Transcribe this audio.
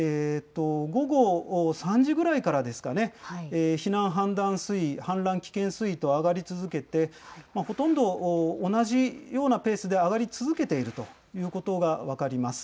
午後３時ぐらいからですかね、避難判断水位、氾濫危険水位と上がり続けて、ほとんど同じようなペースで上がり続けているということが分かります。